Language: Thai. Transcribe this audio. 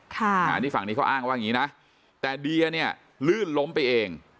อันนี้ฝั่งนี้เขาอ้างว่าอย่างนี้นะแต่เดียเนี่ยลื่นล้มไปเอง